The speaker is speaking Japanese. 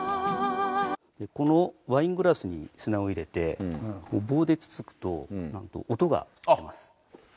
このワイングラスに砂を入れて棒でつつくとなんと音が出ます。